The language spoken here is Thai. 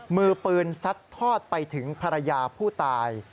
มือปืนซัดทอดไปถึงภรรยาผู้ตาย